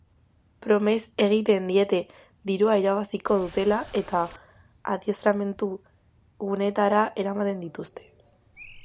Promes egiten diete dirua irabaziko dutela eta adiestramentu guneetara eramaten dituzte.